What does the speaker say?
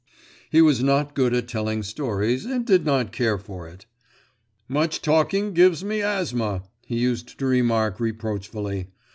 He was not good at telling stories, and did not care for it. 'Much talking gives me asthma,' he used to remark reproachfully.